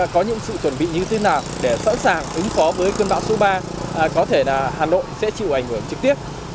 có những sự chuẩn bị như thế nào để sẵn sàng ứng phó với cơn bão số ba có thể là hà nội sẽ chịu ảnh hưởng trực tiếp